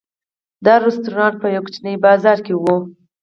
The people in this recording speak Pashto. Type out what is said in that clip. دا رسټورانټ په یوه کوچني بازار کې و.